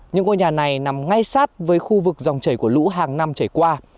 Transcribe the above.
những ngôi nhà này nằm ngay sát với khu vực dòng chảy của lũ hàng năm trải qua